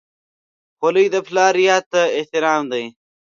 خولۍ د پلار یاد ته احترام دی.